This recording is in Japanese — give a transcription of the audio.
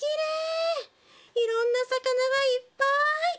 いろんな魚がいっぱい。